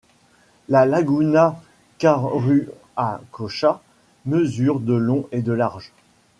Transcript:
La Laguna Carhuacocha mesure de long et de large.